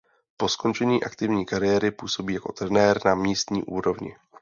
Po skončení aktivní kariéry působí jako trenér na místní úrovni.